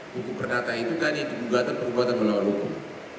hukum berdata itu tadi itu dugaan perubatan melawan hukum